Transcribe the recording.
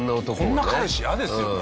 こんな彼氏嫌ですよね。